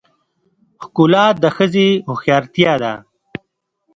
ښکلا د ښځې هوښیارتیا ده .